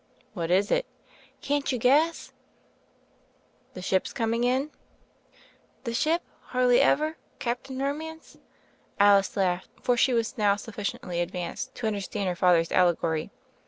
"What is it?" "Can't you guess?" "The ship's coming in?" "The ship *Hardly Ever,* Captain Ro mance?" Alice laughed, for she was now suffi ciently advanced to understand her father's alle gory.